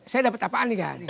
saya dapet apaan nih kak